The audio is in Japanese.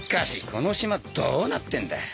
この島どうなってんだ